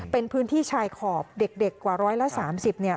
เป็นพื้นที่ชายขอบเด็กกว่าร้อยละ๓๐เนี่ย